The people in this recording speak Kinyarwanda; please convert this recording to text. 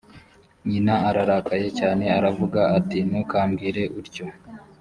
nyina ararakaye cyane aravuga ati “ntukambwire utyo”